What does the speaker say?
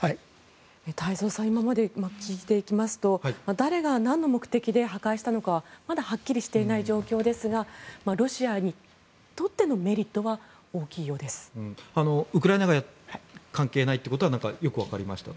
太蔵さん今まで聞いていきますと誰がなんの目的で破壊したのかまだはっきりしていない状況ですがロシアにとってのメリットはウクライナが関係ないってことはよくわかりました。